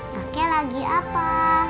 kakek lagi apa